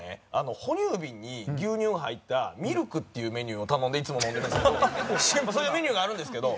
哺乳瓶に牛乳が入ったミルクっていうメニューを頼んでいつも飲んでるんですけどそういうメニューがあるんですけど。